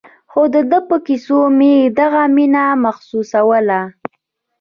خو د ده په کيسو مې دغه مينه محسوسوله.